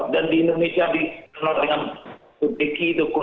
dan di indonesia dikenal dengan etik kedokteran